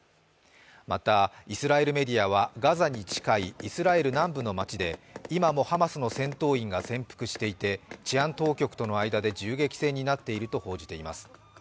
またイスラエルメディアはガザに近いイスラエル南部の町で今もハマスの戦闘員が潜伏していて、治安当局との間で銃撃戦になっていると報じています。